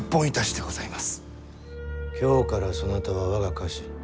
今日からそなたは我が家臣。